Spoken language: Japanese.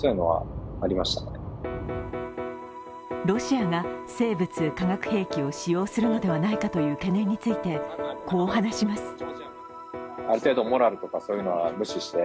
ロシアが生物・化学兵器を使用するのではないかという懸念についてこう話します。